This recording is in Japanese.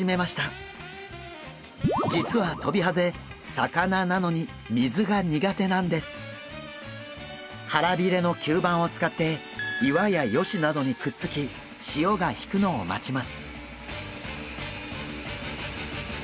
実はトビハゼ腹びれの吸盤を使って岩や葦などにくっつき潮が引くのを待ちます。